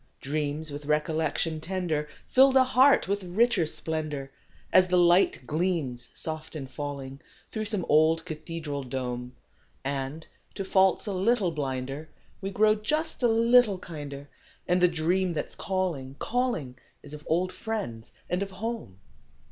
D REAMS \9ith recollection tender Fill the Heart Ntfith richer ' splendor, As the light gleams soft in jullinq Through some ola cathedral dome ; And, to faults a little blinder, ADe gt'oxtf just a little hinder, And the dream that's call inq, calling , old friends and o home.